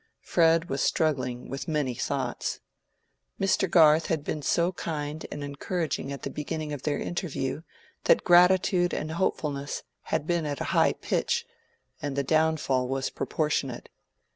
Fred was struggling with many thoughts. Mr. Garth had been so kind and encouraging at the beginning of their interview, that gratitude and hopefulness had been at a high pitch, and the downfall was proportionate.